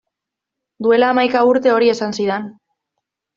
Duela hamaika urte hori esan zidan.